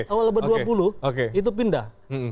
awal abad dua puluh itu pindah